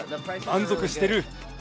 満足している。